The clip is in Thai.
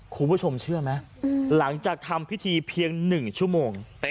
คุณผู้ชมเชื่อไหมหลังจากทำพิธีเพียง๑ชั่วโมง